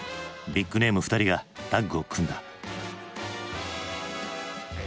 ビッグネーム２人がタッグを組んだ。